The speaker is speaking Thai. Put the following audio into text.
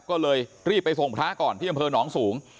ก็เลยรีบไปส่งพระก่อนที่อำเภอหนองสูง